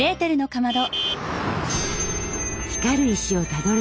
かまど！